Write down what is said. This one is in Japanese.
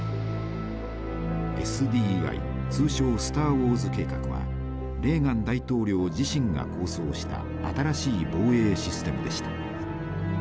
ＳＤＩ通称スターウォーズ計画はレーガン大統領自身が構想した新しい防衛システムでした。